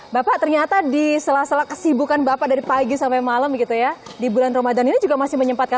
bapak ternyata di sela sela kesibukan bapak dari pagi sampai malam gitu ya di bulan ramadan ini juga masih menyempatkan